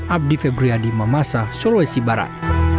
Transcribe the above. abdi febriadi mamasa sulawesi barat